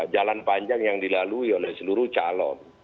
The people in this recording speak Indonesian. jalan panjang yang dilalui oleh seluruh calon